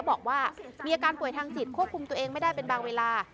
บอกว่ามีอาการป่วยทางจิตควบคุมตัวเองไม่ได้เป็นบางเวลา